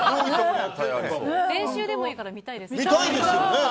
練習でもいいから見たいですよね。